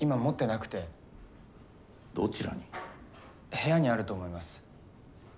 部屋にあると思います。